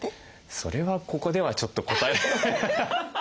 それはここではちょっと答えられない。